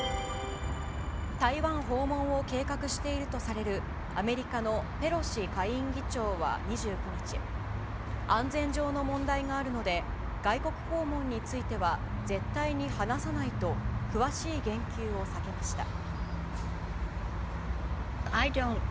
台湾訪問を計画しているとされる、アメリカのペロシ下院議長は２９日、安全上の問題があるので、外国訪問については、絶対に話さないと、詳しい言及を避けました。